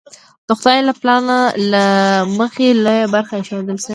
د خدای له پلان له مخې لویه برخه ایښودل شوې.